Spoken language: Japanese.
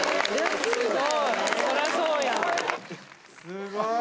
すごい。